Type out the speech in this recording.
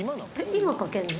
今かけるの？